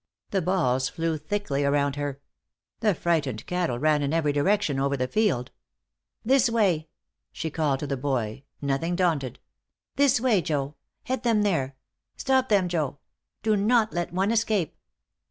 The balls flew thickly around her. The frightened cattle ran in every direction over the field. "This way!" she called to the boy, nothing daunted; "this way, Joe! Head them there! Stop them, Joe! Do not let one escape!"